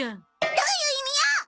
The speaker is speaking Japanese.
どういう意味よ！